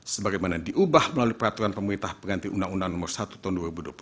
sebagaimana diubah melalui peraturan pemerintah pengganti undang undang nomor satu tahun dua ribu dua puluh satu